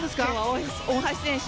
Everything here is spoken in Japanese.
大橋選手。